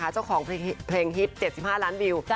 เจ้าของเพลงฮิต๗๕ล้านวิว